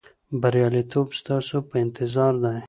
بریالیتوب ستاسو په انتظار دی.